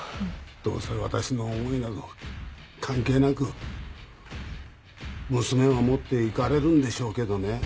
どうせ私の思いなど関係なく娘を持って行かれるんでしょうけどね。